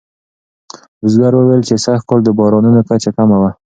بزګر وویل چې سږکال د بارانونو کچه کمه وه.